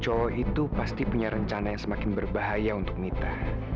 cowo itu pasti punya rencana yang semakin berbahaya untuk mita